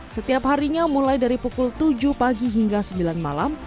setiap harinya mulai dari pukul tujuh pagi hingga sembilan malam